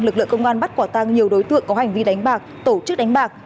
lực lượng công an bắt quả tăng nhiều đối tượng có hành vi đánh bạc tổ chức đánh bạc